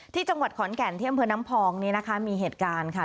ที่จังหวัดขอนแก่นที่อำเภอน้ำพองนี้นะคะมีเหตุการณ์ค่ะ